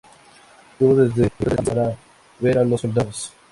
Tuvo desde pequeño aptitudes militares, escapando del liceo para ver a los soldados.